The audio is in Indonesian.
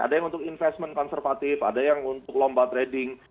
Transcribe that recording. ada yang untuk investment konservatif ada yang untuk lomba trading